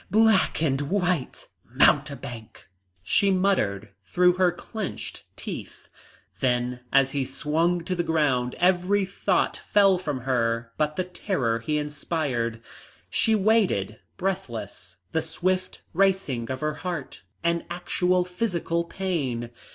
Black and white! Mountebank!" she muttered through her clenched teeth. Then as he swung to the ground every thought fell from her but the terror he inspired. She waited, breathless, the swift racing of her heart an actual physical pain.